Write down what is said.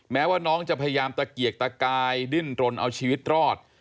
แม้ว่าน้องจะพยายามตะเกียกตะกายดิ้นรนเอาชีวิตรอด